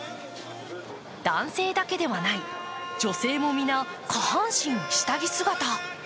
男性だけではない、女性も皆下半身、下着姿。